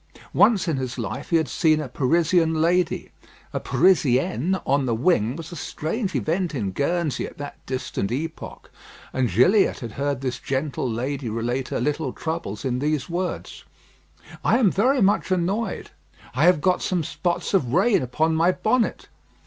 Once in his life he had seen a Parisian lady. A Parisienne on the wing was a strange event in Guernsey at that distant epoch; and Gilliatt had heard this gentle lady relate her little troubles in these words: "I am very much annoyed; I have got some spots of rain upon my bonnet.